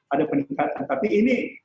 ada peningkatan tapi ini